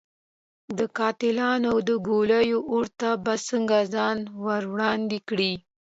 د قاتلانو د ګولیو اور ته به څنګه ځان ور وړاندې کړي.